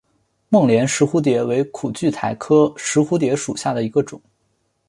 孟连石蝴蝶为苦苣苔科石蝴蝶属下的一个种。